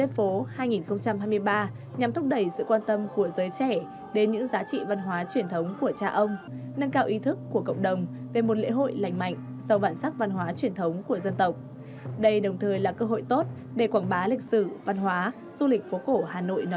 và qua việc thực hành những giá trị văn hóa thì chúng ta hiểu hơn